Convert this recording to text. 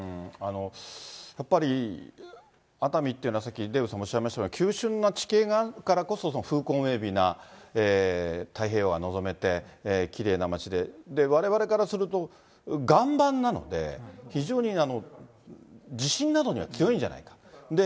やっぱり熱海っていうのは、さっきデーブさんもおっしゃいましたが、急峻な地形があるからこそ、風光明媚な太平洋が望めてきれいな町で、われわれからすると、岩盤なので、非常に地震などには強いんじゃないか。